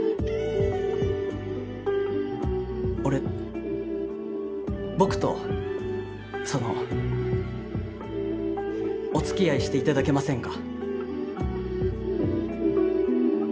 俺僕とそのおつきあいして頂けませんか？